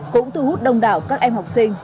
cũng thu hút đông đảo các em học sinh